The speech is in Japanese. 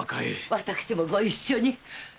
私もご一緒に！